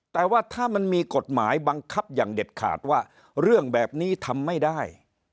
แต่ว่าถ้ามันมีกฎหมายบังคับอย่างเด็ดขาดว่าเรื่องแบบนี้ทำไม่ได้